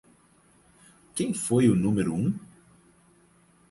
Quem foi o número um?